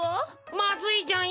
まずいじゃんよ。